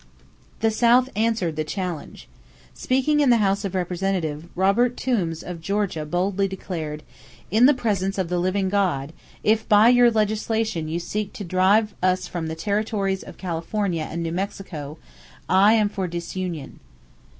The South answered the challenge. Speaking in the House of Representatives, Robert Toombs of Georgia boldly declared: "In the presence of the living God, if by your legislation you seek to drive us from the territories of California and New Mexico ... I am for disunion."